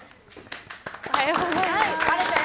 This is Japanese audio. おはようございます。